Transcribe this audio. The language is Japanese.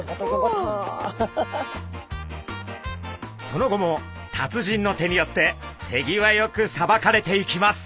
その後も達人の手によって手際よくさばかれていきます。